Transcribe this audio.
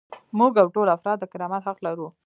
موږ او ټول افراد د کرامت حق لرو.